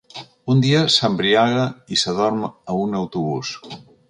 Un dia s’embriaga i s’adorm a un autobús.